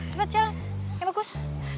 cepet jalan yang bagus